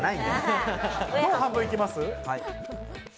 どう半分、行きます？